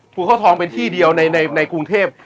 ภูเขาทองเป็นที่เดียวในกรุงเทพ